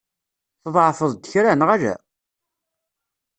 Tḍeεfeḍ-d kra, neɣ ala?